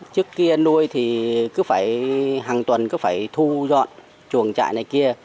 trước kia nuôi thì cứ phải hàng tuần cứ phải thu dọn chuồng trại này kia